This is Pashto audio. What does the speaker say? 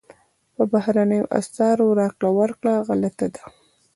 په بهرنیو اسعارو راکړه ورکړه غلطه ده.